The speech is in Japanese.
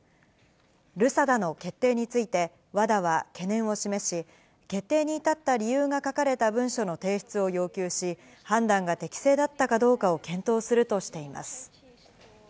ＲＵＳＡＤＡの決定について、ＷＡＤＡは懸念を示し、決定に至った理由が書かれた文書の提出を要求し、判断が適正だったかどうかを検討するとしています。